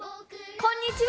こんにちは！